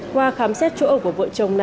qua khám xét chỗ ở của vợ chồng